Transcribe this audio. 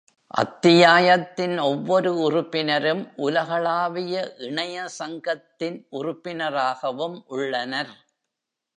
அத்தியாயத்தின் ஒவ்வொரு உறுப்பினரும் உலகளாவிய இணைய சங்கத்தின் உறுப்பினராகவும் உள்ளனர்.